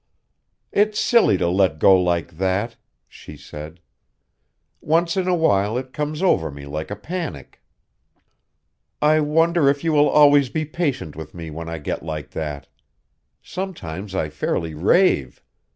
"It's silly to let go like that," she said. "Once in awhile it comes over me like a panic. I wonder if you will always be patient with me when I get like that. Sometimes I fairly rave.